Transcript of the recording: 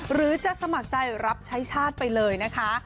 หรือจะสมัครใจรับใช้ชาติไปเลยนะคะ